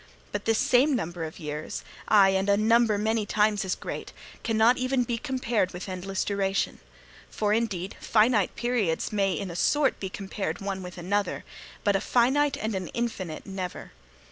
But this same number of years ay, and a number many times as great cannot even be compared with endless duration; for, indeed, finite periods may in a sort be compared one with another, but a finite and an infinite never.